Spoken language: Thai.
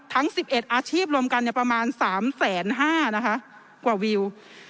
ทั้ง๑๑อาชีพรวมกันประมาณ๓๕๐๐นะคะกว่าวิว